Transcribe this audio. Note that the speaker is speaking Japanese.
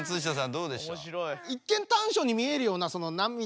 どうでした？